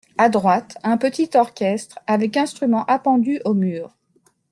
À droite, un petit orchestre avec instruments appendus au mur.